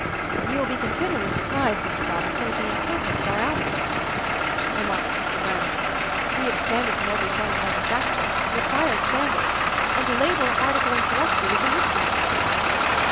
"You will be continually surprised, Mr. Robertson, at the improvements of our out put," remarked Mr. Brown. "We have standards in every form of manuf acture, re quired standards ; and to label an article in correctly is a misdemeanor."